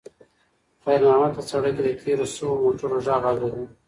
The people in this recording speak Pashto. خیر محمد په سړک کې د تېرو شویو موټرو غږ اورېده.